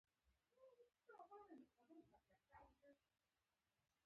کور سره مې خبرې وکړې.